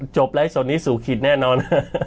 จบแล้วให้ส่วนนี้สูขิดแน่นอน